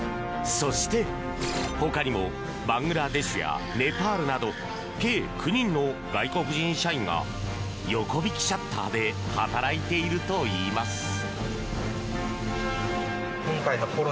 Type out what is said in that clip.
そして、ほかにもバングラデシュやネパールなど計９人の外国人社員が横引シャッターで働いているといいます。